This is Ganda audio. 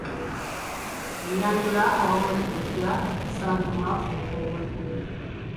Ennyanjula ey'awamu ejja kusangibwa ku muko ogwekkumi.